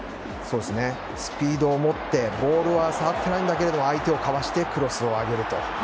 スピードを持ってボールは触っていないだけど相手をかわしてクロスを上げると。